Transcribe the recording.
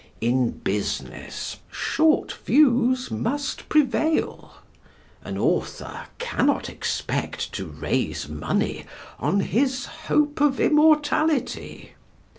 In business short views must prevail. An author cannot expect to raise money on his hope of immortality.